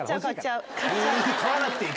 買わなくていい！